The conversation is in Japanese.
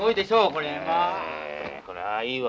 これはいいわ。